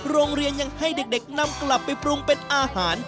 โรงเรียนยังให้เด็กนำกลับไปปรุงเป็นอาหาร